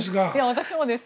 私もです。